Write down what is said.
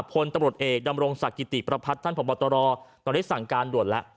พลตำรวจเอกดำรงศักดิ์กิติประพัทธ์ท่านพบตรตอนนี้สั่งการด่วนแล้ว